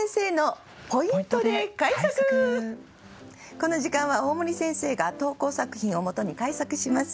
この時間は大森先生が投稿作品を元に改作します。